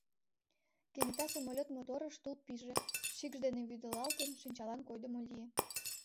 Кенета самолёт моторыш тул пиже, шикш дене вӱдылалтын, шинчалан койдымо лие.